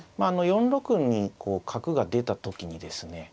４六にこう角が出た時にですね